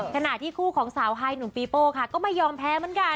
ขณะที่คู่ของสาวไฮหนุ่มปีโป้ค่ะก็ไม่ยอมแพ้เหมือนกัน